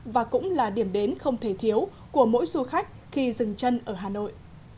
và cũng là điểm đến không thể thiếu của mỗi du khách khi dừng chân ở hà nội